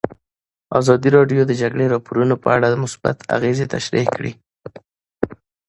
ازادي راډیو د د جګړې راپورونه په اړه مثبت اغېزې تشریح کړي.